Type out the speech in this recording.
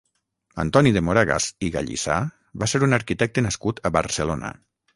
Antoni de Moragas i Gallissà va ser un arquitecte nascut a Barcelona.